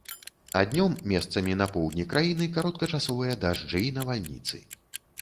А днём месцамі на поўдні краіны кароткачасовыя дажджы і навальніцы.